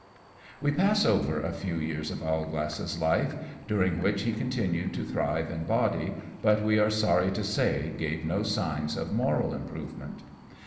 _ We pass over a few years of Owlglass's life during which he continued to thrive in body, but we are sorry to say gave no signs of moral improvement.